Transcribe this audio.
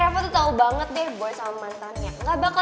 selamat pagi anak anak